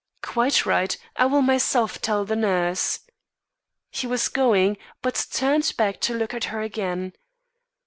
"Quite right. I will myself tell the nurse." He was going, but turned to look at her again.